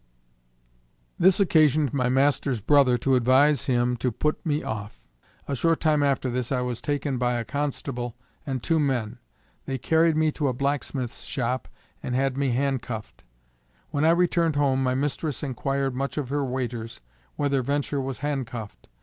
This occasioned my master's brother to advise him to put me off. A short time after this I was taken by a constable and two men. They carried me to a black smith's shop and had me hand cuffed. When I returned home my mistress enquired much of her waiters, whether VENTURE was hand cuffed.